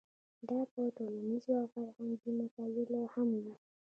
دا په ټولنیزو او فرهنګي مسایلو هم وي.